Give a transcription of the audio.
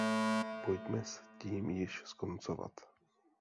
Pojďme s tím již skoncovat!